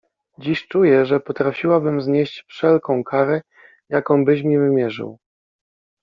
Dziś czuję, że potrafiłabym znieść wszelką karę, jaką byś mi wymierzył.